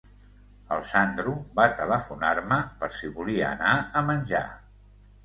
El Sandro va telefonar-me per si volia anar a menjar.